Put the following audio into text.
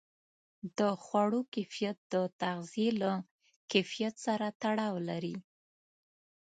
د خوړو کیفیت د تغذیې له کیفیت سره تړاو لري.